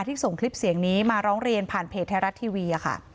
ที่ส่งคลิปเสียงนี้มาร้องเลนผ่านเพจท้ายรัฐทีวีอะคะ